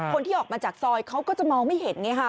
คนที่ออกมาจากซอยเขาก็จะมองไม่เห็นไงค่ะ